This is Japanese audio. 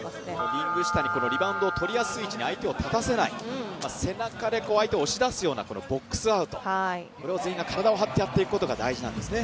リング下にリバウンドをとりやすい位置に相手を立たせない背中で相手を押し出すようなボックスアウト、これを全員が体を張ってやっていくことが大事なんですね。